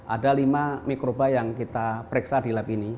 ada lima mikroba yang kita periksa di lab ini